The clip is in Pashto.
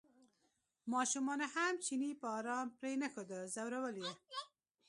ماشومانو هم چینی په ارام پرېنښوده ځورول یې.